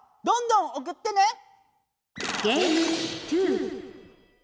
どんどんおくってね！